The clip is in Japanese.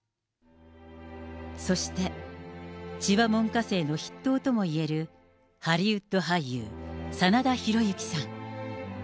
そして、千葉門下生の筆頭ともいえるハリウッド俳優、真田広之さん。